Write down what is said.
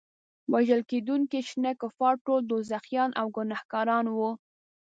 وژل کېدونکي شنه کفار ټول دوزخیان او ګناهګاران وو.